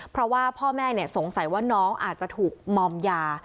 เพราะว่าพ่อแม่สงสัยว่าน้องอาจจะถูกมอมยา